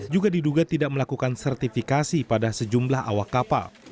juga diduga tidak melakukan sertifikasi pada sejumlah awak kapal